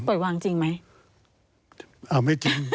ปล่อยวางจริงไหม